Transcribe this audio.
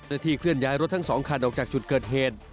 ที่เคลื่อนย้ายรถทั้ง๒คันออกจากจุดเกิดเหตุ